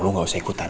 lu ga usah ikut